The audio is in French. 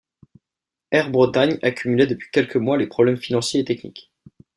Air Bretagne accumulait depuis quelques mois les problèmes financiers et techniques.